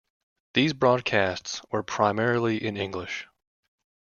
These broadcasts were primarily in English.